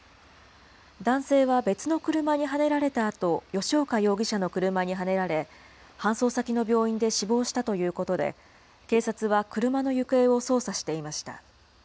男性は別の車にはねられたあと、吉岡容疑者の車にはねられ、搬送先の病院で死亡したということで、警察は車の行方を捜査していました。